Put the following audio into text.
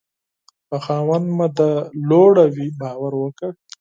په خاوند مې دې سوگند وي باور وکړه